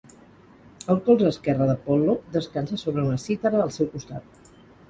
El colze esquerre d'Apol·lo descansa sobre una cítara al seu costat.